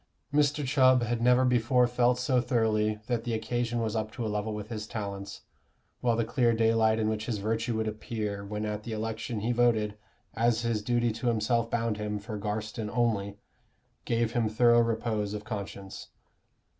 Mr. Chubb had never before felt so thoroughly that the occasion was up to a level with his talents, while the clear daylight in which his virtue would appear when at the election he voted, as his duty to himself bound him, for Garstin only, gave him thorough repose of conscience.